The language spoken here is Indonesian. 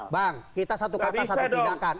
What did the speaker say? bang kita satu kata satu tindakan